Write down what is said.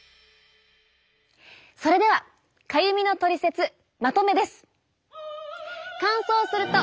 それではかゆみのトリセツまとめです。